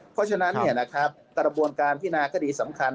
เพราะฉะนั้นกระบวนการพินาคดีสำคัญ